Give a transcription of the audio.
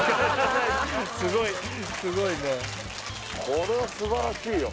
これは素晴らしいよ